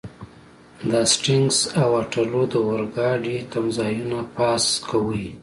د هسټینګز او واټرلو د اورګاډي تمځایونه پاس کوئ.